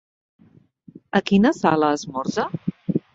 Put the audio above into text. A quina sala esmorza?